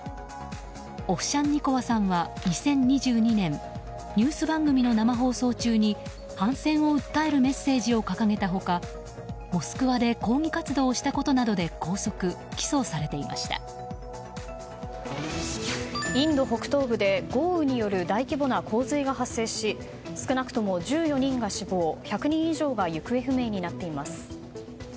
オフシャンニコワさんは２０２２年ニュース番組の生放送中に反戦を訴えるメッセージを掲げた他モスクワで抗議活動をしたことなどで拘束インド北東部で豪雨による大規模な洪水が発生し少なくとも１４人が死亡１００人以上が行方不明になっています。